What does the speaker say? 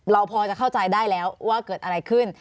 เราพอจะเข้าใจได้แล้วว่าเกิดอะไรขึ้น